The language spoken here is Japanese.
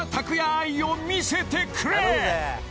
愛を見せてくれ！